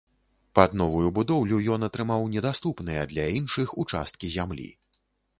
Пад новую будоўлю ён атрымаў недаступныя для іншых участкі зямлі.